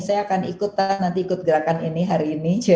saya akan ikutan nanti ikut gerakan ini hari ini